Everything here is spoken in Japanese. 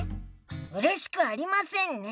うれしくありませんね。